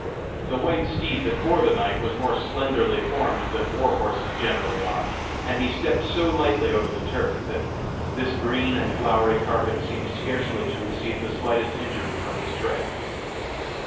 The white steed that bore the knight was more slenderly formed than war horses generally are, and he stepped so lightly over the turf that this green and flowery carpet seemed scarcely to receive the slightest injury from his tread.